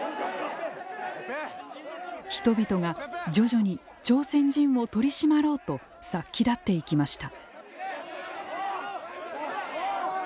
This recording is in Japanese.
人々が徐々に朝鮮人を取り締まろうと殺気立っていきました。